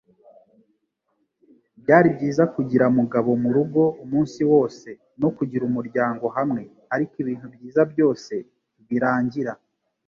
Byari byiza kugira Mugabo murugo umunsi wose no kugira umuryango hamwe, ariko ibintu byiza byose birangira.